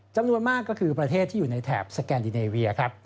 จำนวนมากก็คือประเทศที่อยู่ในแถบสแกนดิเนเวียครับ